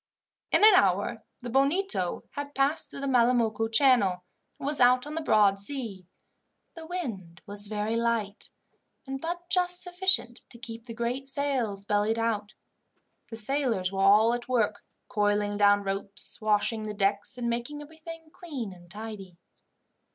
In an hour the Bonito had passed through the Malamocco Channel, and was out on the broad sea. The wind was very light, and but just sufficient to keep the great sails bellied out. The sailors were all at work, coiling down ropes, washing the decks, and making everything clean and tidy.